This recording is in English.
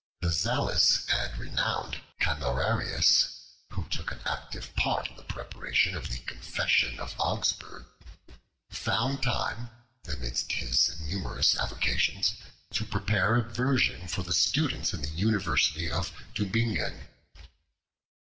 The zealous and renowned Camerarius, who took an active part in the preparation of the Confession of Augsburgh, found time, amidst his numerous avocations, to prepare a version for the students in the university of Tubingen, in which he was a professor.